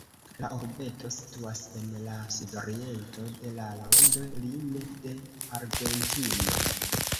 La urbeto situas en la sudokcidento de la lando, lime de Argentino.